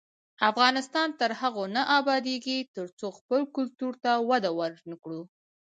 افغانستان تر هغو نه ابادیږي، ترڅو خپل کلتور ته وده ورنکړو.